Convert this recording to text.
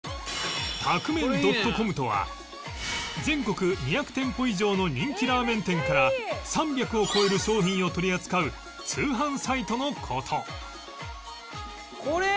宅麺 ．ｃｏｍ とは全国２００店舗以上の人気ラーメン店から３００を超える商品を取り扱う通販サイトの事